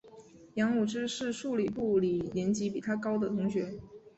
杨武之是数理部里年级比他高的同学。